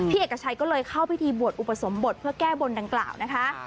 เอกชัยก็เลยเข้าพิธีบวชอุปสมบทเพื่อแก้บนดังกล่าวนะคะ